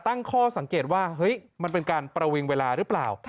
ตั้งข้อสังเกตว่าเฮ้ยมันเป็นการประวิงเวลาหรือเปล่า